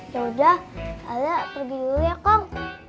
ya udah ala pergi dulu ya kong